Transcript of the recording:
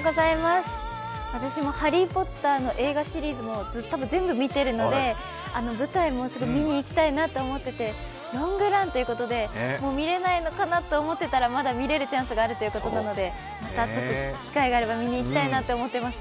私も「ハリー・ポッター」の映画シリーズもずっと、多分全部見てるので舞台もすごく見に行きたいと思っていて、ロングランってことで、もう見れないのかなと思ってたらまだ見れるチャンスがあるということなので、また機会があれば見に行きたいと思っています。